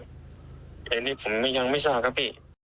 ก็พี่ดิผมยังไม่ทราบครับพี่